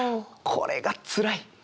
これがつらい。